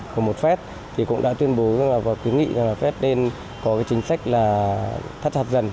của một phép thì cũng đã tuyên bố và cứ nghĩ là phép nên có chính sách là thắt hạt dần